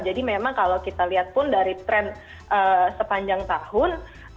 jadi memang kalau kita lihat pun dari trend sepanjang tahun